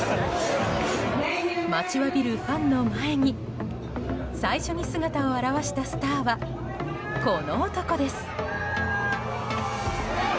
待ちわびるファンの前に最初に姿を現したスターはこの男です。